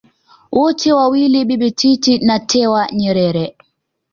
wote wawili Bibi Titi na Tewa Nyerere